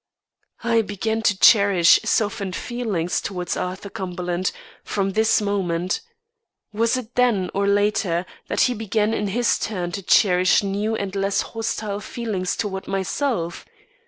I began to cherish softened feelings towards Arthur Cumberland, from this moment. Was it then, or later, that he began in his turn to cherish new and less hostile feelings towards myself?